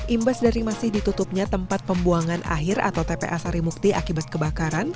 imbas dari masih ditutupnya tempat pembuangan akhir atau tpa sarimukti akibat kebakaran